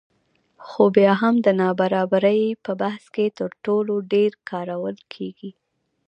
خو بیا هم د نابرابرۍ په بحث کې تر ټولو ډېر کارول کېږي